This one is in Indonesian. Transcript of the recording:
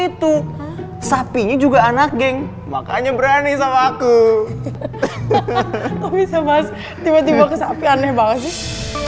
itu sapinya juga anak geng makanya berani sama aku bisa mas tiba tiba kesapi aneh banget sih